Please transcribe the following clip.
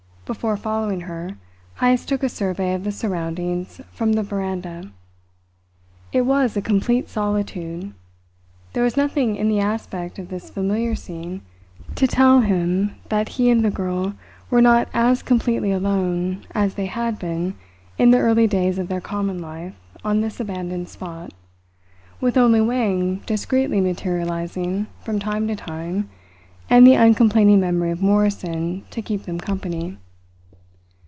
Before following her, Heyst took a survey of the surroundings from the veranda. It was a complete solitude. There was nothing in the aspect of this familiar scene to tell him that he and the girl were not as completely alone as they had been in the early days of their common life on this abandoned spot, with only Wang discreetly materializing from time to time and the uncomplaining memory of Morrison to keep them company.